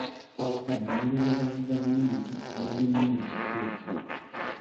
Omuwolereza wa gavumenti aludde nnyo mu kifo ekyo.